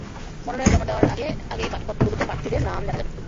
মনোনয়ন জমা দেওয়ার আগে আগেই বাকি পদগুলোতে প্রার্থীদের নাম জানা যাবে।